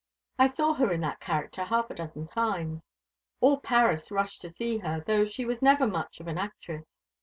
I saw her in that character half a dozen times. All Paris rushed to see her, though she was never much of an actress.